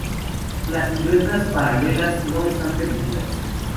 Las piruetas paralelas no están permitidas.